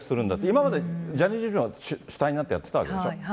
今までジャニーズ事務所が主体になってやってたわけでしょ。